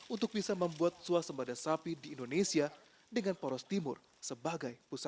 untuk bisa membuat suasembada sapi yang lebih kecil